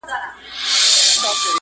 o ماسومان حيران ولاړ وي چوپ تل,